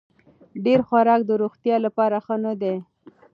ډېر خوراک د روغتیا لپاره ښه نه دی.